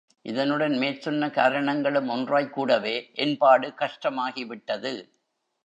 இதனுடன் மேற்சொன்ன காரணங்களும் ஒன்றாய்க் கூடவே, என் பாடு கஷ்டமாகி விட்டது.